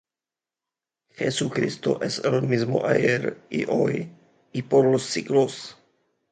Jesucristo es el mismo ayer, y hoy, y por los siglos.